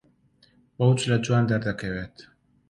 بەو جلە جوان دەردەکەوێت.